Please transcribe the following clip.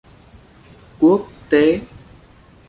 Quốc tế